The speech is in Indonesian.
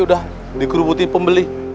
udah dikerubuti pembeli